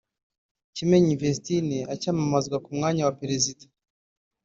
Kimenyi Vedaste acyamamazwa ku mwanya wa perezida